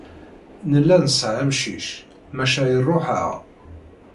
Nella nesɛa amcic, maca iruḥ-aɣ.